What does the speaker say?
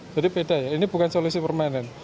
jadi beda ya ini bukan solusi permanen